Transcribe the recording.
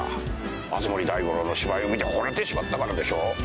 熱護大五郎の芝居を見てほれてしまったからでしょう？